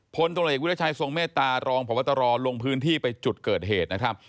ผลตรงรายกรวิทยาชายทรงเมตตารองผวตตรอลงพื้นที่ไปจุดเกิดเหตุนะครับ